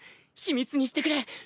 秘密にしてくれ。